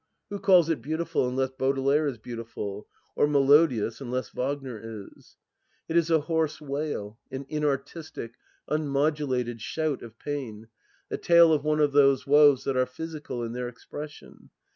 Who calls it beautiful, unless Baudelaire is beautifxd; or melo dious, unless Wagner is ? It b a hoarse wail, an inartistic, unmodulated shout of pain, the tale of one of those woes that are physical in their expression.